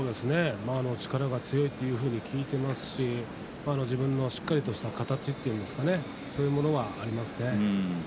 力が強いというふうに聞いていますし自分のしっかりとした形というものがありますね。